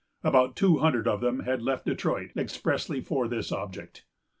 About two hundred of them had left Detroit expressly for this object.